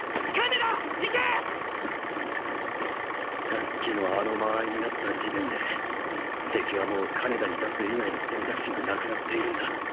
さっきのあの間合いになった時点で敵はもう金田に出す以外の選択肢がなくなっているんだ。